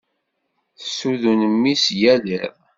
Tessudun mmi-s yal iḍ.